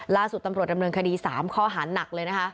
ล่าสุดตำรวจดำเนินคดี๓ข้อหาหนักเลยนะคะ